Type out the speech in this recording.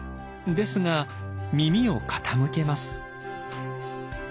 ですが耳を傾けます。